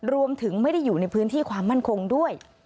รวมถึงไม่ได้อยู่ในพื้นที่ความมั่นคงด้วย